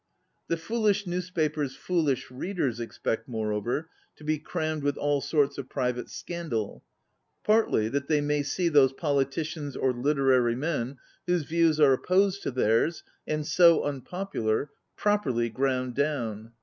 The foolish newspapers' fooHsh readers expect, moreover, to be crammed with all sorts of private scandal, partly that they may see those poli ticians or literary men whose views are opposed to theirs, and so unpop ular, properly ground down.